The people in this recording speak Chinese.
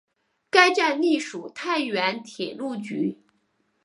该站隶属太原铁路局。